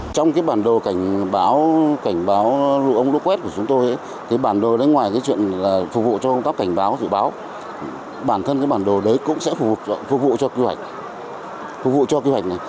trong cái bản đồ cảnh báo cảnh báo lũ ống lũ quét của chúng tôi ấy cái bản đồ đấy ngoài cái chuyện là phục vụ cho công tác cảnh báo dự báo bản thân cái bản đồ đấy cũng sẽ phục vụ cho kế hoạch này